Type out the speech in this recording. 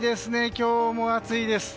今日も暑いです。